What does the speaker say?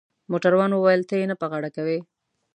موټروان وویل: ته يې نه په غاړه کوې؟